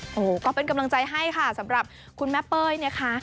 โอ้โหก็เป็นกำลังใจให้ค่ะสำหรับคุณแม่เป้ยนะคะ